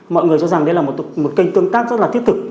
mọi người cho rằng đây là một kênh tương tác rất là thiết thực